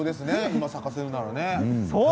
今、咲かせるならね。